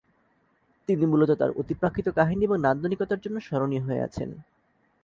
তিনি মূলত তার অতিপ্রাকৃত কাহিনী এবং নান্দনিকতার জন্য স্মরণীয় হয়ে আছেন।